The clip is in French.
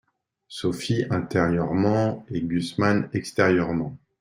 Sophie intérieurement et Gusman extérieurement.